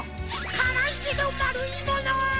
からいけどまるいもの！